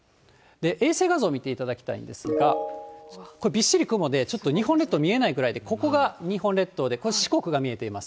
衛星画像見ていただきたいんですが、びっしり雲で、ちょっと日本列島見えないくらいで、ここが日本列島で、これ、四国が見えています。